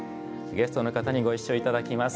ゲストの方にご一緒いただきます。